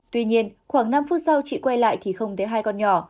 tuy nhiên khoảng năm phút sau chị quay lại thì không thấy hai con nhỏ